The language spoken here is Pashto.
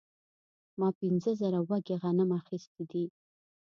ما پنځه زره وږي غنم اخیستي دي